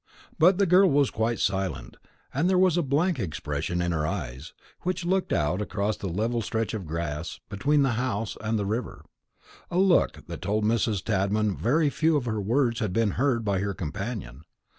But the girl was quite silent, and there was a blank expression in her eyes, which looked out across the level stretch of grass between the house and the river, a look that told Mrs. Tadman very few of her words had been heard by her companion.